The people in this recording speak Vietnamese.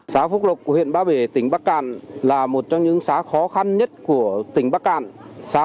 xá phúc lộc của huyện ba bể tỉnh bắc cạn là một trong những xá khó khăn nhất của tỉnh bắc cạn xá